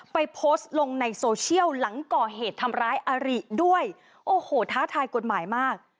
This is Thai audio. โพสต์ลงในโซเชียลหลังก่อเหตุทำร้ายอาริด้วยโอ้โหท้าทายกฎหมายมาก